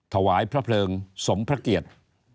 ถวายพระเพลิงสมพระเกียรติ